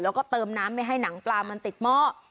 แล้วก็เติมน้ำไม่ให้หนังปลามันติดหม้อ